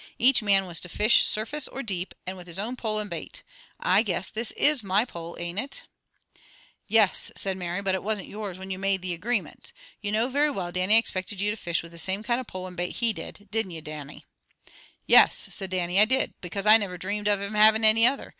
Each man was to fish surface or deep, and with his own pole and bait. I guess this IS my pole, ain't it?" "Yes," said Mary. "But it wasn't yours whin you made that agreemint. You very well know Dannie expected you to fish with the same kind of pole and bait that he did; didn't you, Dannie?" "Yes," said Dannie, "I did. Because I never dreamed of him havin' any other.